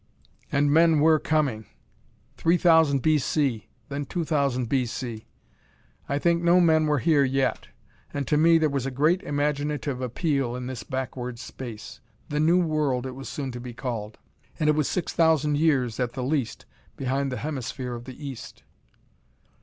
And men were coming. 3,000 B. C., then 2,000 B. C. I think no men were here yet; and to me there was a great imaginative appeal in this backward space. The New World, it was soon to be called. And it was six thousand years, at the least, behind the Hemisphere of the east.